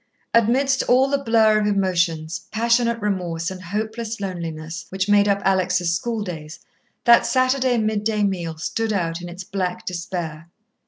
Amidst all the blur of emotions, passionate remorse and hopeless loneliness, which made up Alex' schooldays, that Saturday mid day meal stood out in its black despair.